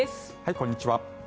こんにちは。